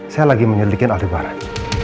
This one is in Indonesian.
saya lagi menyelidikkan aldebaran